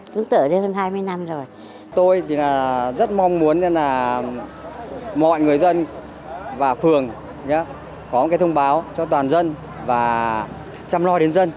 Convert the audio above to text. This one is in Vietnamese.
chúng tôi rất mong muốn mọi người dân và phường có thông báo cho toàn dân và chăm lo đến dân